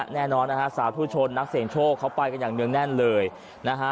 แน่นอนนะฮะ๓ทุชชนนักเสนงโชคเข้าไปกันอย่างแน่นเลยนะฮะ